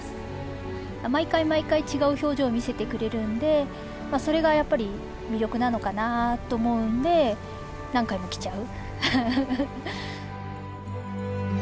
毎回毎回違う表情を見せてくれるんでそれがやっぱり魅力なのかなと思うんで何回も来ちゃう。